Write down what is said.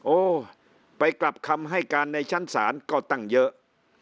โอ้ไปกลับคำให้การในชั้นศาลก็ตั้งเยอะ